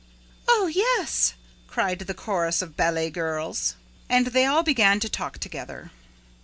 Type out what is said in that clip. "Oh, yes!" cried the chorus of ballet girls. And they all began to talk together.